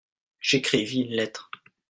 J'écrivis une lettre.